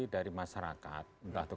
dari masyarakat entah itu